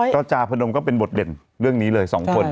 ก็จาพนมก็เป็นบทเด่นเรื่องนี้เลย๒คน